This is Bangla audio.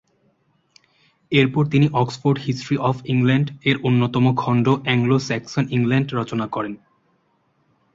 এরপর তিনি "অক্সফোর্ড হিস্ট্রি অফ ইংল্যান্ড"-এর অন্যতম খণ্ড "অ্যাংলো-স্যাক্সন ইংল্যান্ড" রচনা করেন।